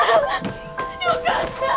よかった。